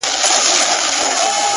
• راغلی مه وای زما له هیواده ,